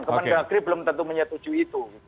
kementerian dalam negeri belum tentu menyetujui itu